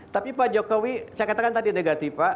tapi pak jokowi saya katakan tadi negativa